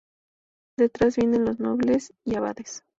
Detrás vienen los nobles y abades.